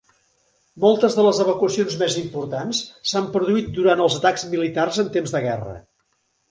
Moltes de les evacuacions més importants s'han produït durant els atacs militars en temps de guerra.